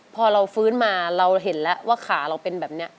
พอเราฟื้นมาเราเห็นแล้วว่าขาเราเป็นแบบนี้